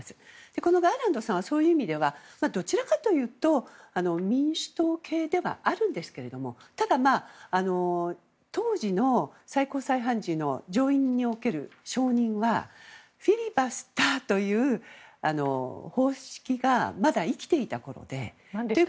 このガーランドさんはそういう意味ではどちらかというと民主党系ではあるんですけどもただ、当時の最高裁判事の上院における承認はフィリバスターという方式がまだ生きていたころで。